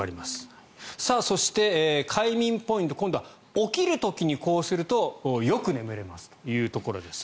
そして、快眠ポイント今度は起きる時にこうするとよく眠れますというところです。